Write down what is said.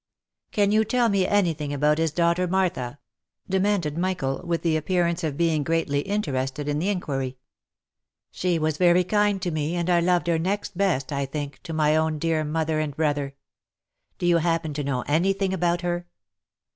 " Can you tell me any thing about his daughter Martha ?" de manded Michael, with the appearance of being greatly interested in the inquiry. " She was very kind to me, and I loved her next best, I think, to my own dear mother and brother. Do you happen to know any thing about her?"